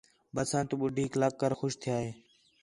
بسنت ٻُڈھیک لَکھ کر خوش تِھیا ہِے